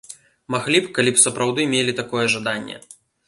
Маглі б, калі б сапраўды мелі такое жаданне.